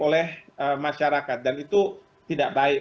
oleh masyarakat dan itu tidak baik